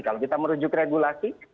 kalau kita merujuk regulasi